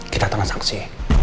kita tangan saksi